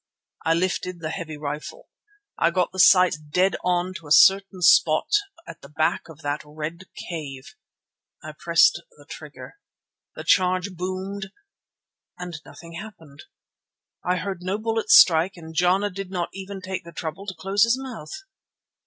I lifted the heavy rifle. I got the sights dead on to a certain spot at the back of that red cave. I pressed the trigger; the charge boomed—and nothing happened! I heard no bullet strike and Jana did not even take the trouble to close his mouth.